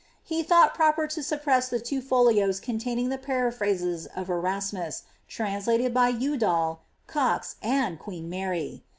He thought proper to suppress the two folios containing the paraphrase^ €if Erasmus, translated by Udal, Cox, and queen Mary.